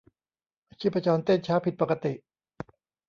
ชีพจรเต้นช้าผิดปกติ